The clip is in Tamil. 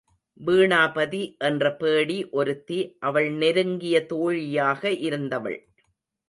வீணாபதி என்ற பேடி ஒருத்தி அவள் நெருங்கிய தோழியாக இருந்தவள்.